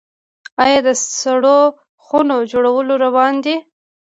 آیا د سړو خونو جوړول روان دي؟